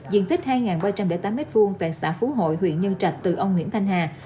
diện tích hai ba trăm linh tám m hai tại xã phú hội huyện nhân trạch từ ông nguyễn thanh hà